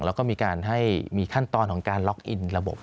แล้วก็มีการให้มีขั้นตอนของการล็อกอินระบบ